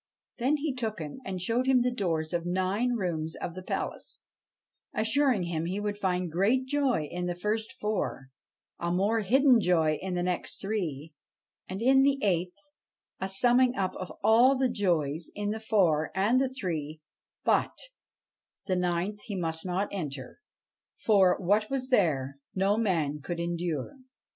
Then he took him and showed him the doors of nine rooms of the palace, assuring him he would find great joy in the first four, a more hidden joy in the next three, and, in the eighth, a summing up of all the joys in the four and the three ; but the ninth he must not enter ; for, what was there, no man could endure.